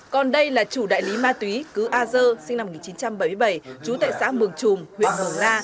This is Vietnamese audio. còn đây là chủ đại lý ma túy cứ a dơ sinh năm một nghìn chín trăm bảy mươi bảy trú tại xã mường trùm huyện mường la